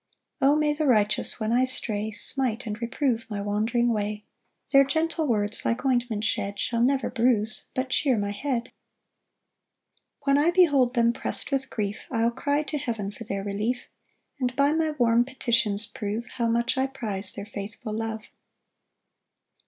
3 O may the righteous, when I stray, Smite, and reprove my wandering way! Their gentle words, like ointment shed, Shall never bruise, but cheer my head. 4 When I behold them prest with grief, I'll cry to heaven for their relief; And by my warm petitions prove how much I prize their faithful love.